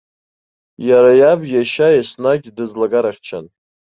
Иара иаб иашьа еснагь дыӡлагарахьчан.